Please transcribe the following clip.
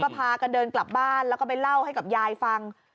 พากันเดินกลับบ้านแล้วก็ไปเล่าให้กับยายฟัง